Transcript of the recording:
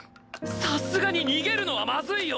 さすがに逃げるのはまずいよ！